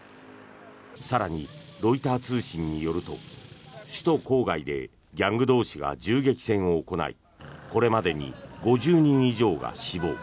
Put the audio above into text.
更に、ロイター通信によると首都郊外でギャング同士が銃撃戦を行いこれまでに５０人以上が死亡。